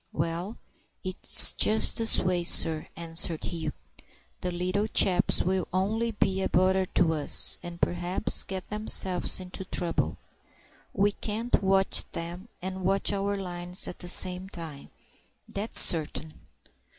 "Well, it's just this way, sir," answered Hugh. "The little chaps will only be a bother to us, and perhaps get themselves into trouble. We can't watch them and watch our lines at the same time, that's certain."